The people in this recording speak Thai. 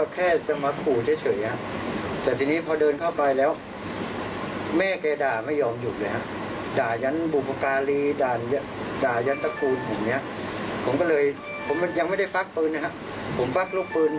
แกก็ไม่หยุดอะครับผมเปิดเสื้อแล้วก็พักปืน